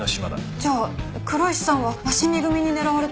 じゃあ黒石さんは鷲見組に狙われて。